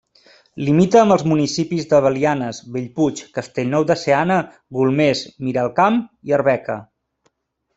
Limita amb els municipis de Belianes, Bellpuig, Castellnou de Seana, Golmés, Miralcamp i Arbeca.